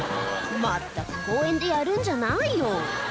まったく公園でやるんじゃないよ